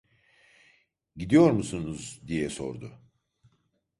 "Gidiyor musunuz?" diye sordu.